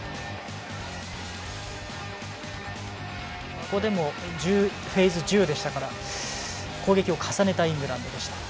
ここでもフェーズ１０でしたから攻撃を重ねたイングランドでした。